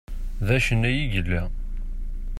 D acennay i yella.